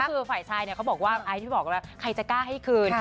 ก็คือฝ่ายชายเขาบอกว่าอายที่บอกว่าใครจะกล้าให้คืน